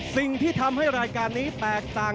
สิ่งที่ทำให้รายการนี้แตกต่าง